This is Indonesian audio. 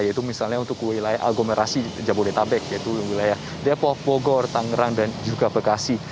yaitu misalnya untuk wilayah aglomerasi jabodetabek yaitu wilayah depok bogor tangerang dan juga bekasi